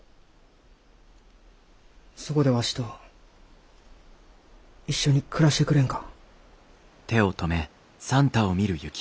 そこでわしと一緒に暮らしてくれんか？